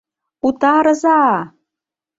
Утарыза!